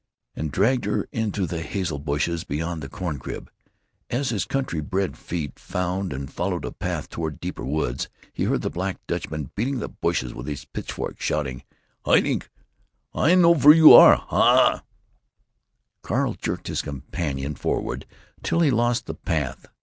and dragged her into the hazel bushes beyond the corn crib. As his country bred feet found and followed a path toward deeper woods, he heard the Black Dutchman beating the bushes with his pitchfork, shouting: "Hiding! I know vere you are! Hah!" Carl jerked his companion forward till he lost the path.